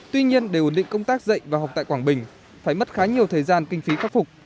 tuy nhiên để ổn định công tác dạy và học tại quảng bình phải mất khá nhiều thời gian kinh phí khắc phục